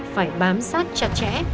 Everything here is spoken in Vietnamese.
phải bám sát chặt chẽ